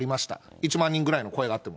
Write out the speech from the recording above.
１万人ぐらいの声があっても。